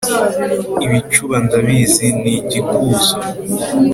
ibicuba ndabizi ni igikuzo,